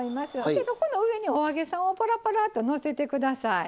でそこの上にお揚げさんをパラパラとのせて下さい。